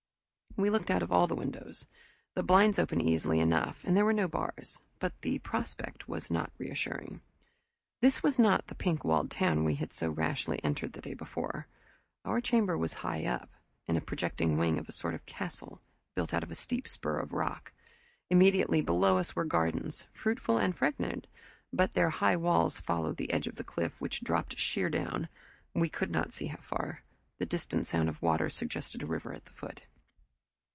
We looked out of all the windows. The blinds opened easily enough, and there were no bars, but the prospect was not reassuring. This was not the pink walled town we had so rashly entered the day before. Our chamber was high up, in a projecting wing of a sort of castle, built out on a steep spur of rock. Immediately below us were gardens, fruitful and fragrant, but their high walls followed the edge of the cliff which dropped sheer down, we could not see how far. The distant sound of water suggested a river at the foot.